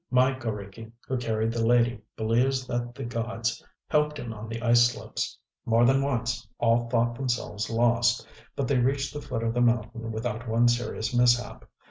My g┼Źriki, who carried the lady, believes that the gods helped him on the ice slopes. More than once, all thought themselves lost; but they reached the foot of the mountain without one serious mishap.